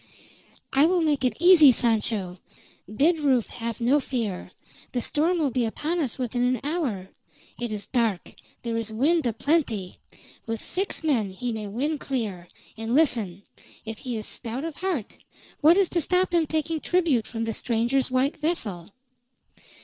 "I will make it easy, Sancho. Bid Rufe have no fear. The storm will be upon us within an hour. It is dark; there is wind aplenty. With six men he may win clear; and listen: If he is stout of heart, what is to stop him taking tribute from the stranger's white vessel?"